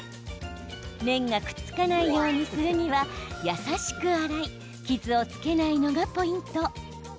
麺がくっつかないようにするには優しく洗い傷をつけないのがポイント。